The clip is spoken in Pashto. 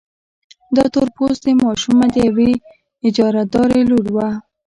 دا تور پوستې ماشومه د يوې اجارهدارې لور وه.